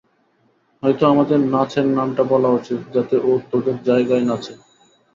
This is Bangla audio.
হয়তো আমাদের নাচের নামটা বলা উচিত, যাতে ও তোদের জায়গায় নাচে।